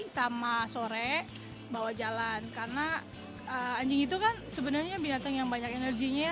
sama sore bawa jalan karena anjing itu kan sebenarnya binatang yang banyak energinya